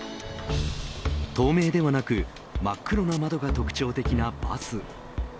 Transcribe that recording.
透明ではなく真っ黒な窓が特徴的なバス。